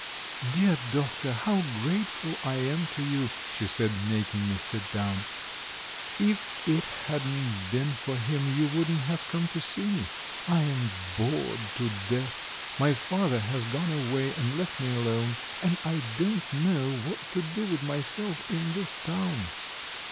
"Dear Doctor, how grateful I am to you," she said, making me sit down. "If it hadn't been for him you wouldn't have come to see me. I am bored to death! My father has gone away and left me alone, and I don't know what to do with myself in this town."